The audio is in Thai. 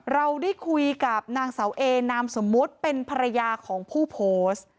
เราได้คุยกับนางเสาเอนามสมมุติเป็นภรรยาของผู้โพสต์